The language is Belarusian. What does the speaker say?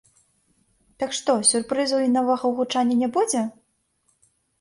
Так што сюрпрызаў і новага гучання не будзе?